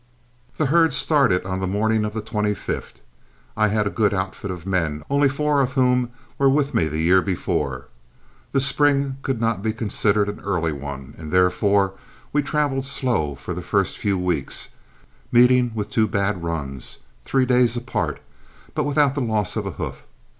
The herd started on the morning of the 25th. I had a good outfit of men, only four of whom were with me the year before. The spring could not be considered an early one, and therefore we traveled slow for the first few weeks, meeting with two bad runs, three days apart, but without the loss of a hoof.